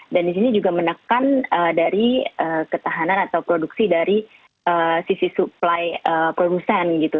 dan di sini juga menekan dari ketahanan atau produksi dari sisi supply produsen gitu